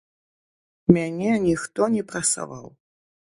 Мяне ніхто не прасаваў.